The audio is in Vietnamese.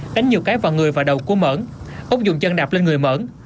đánh nhiều cái vào người và đầu của mẫn úc dùng chân đạp lên người mởn